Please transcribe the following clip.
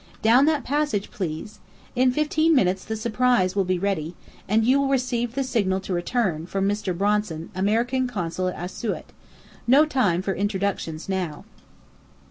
Down that passage, please! In fifteen minutes the surprise will be ready, and you will receive the signal to return, from Mr. Bronson, American Consul at Asiut no time for introductions now."